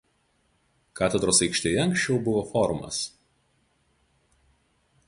Katedros aikštėje anksčiau buvo forumas.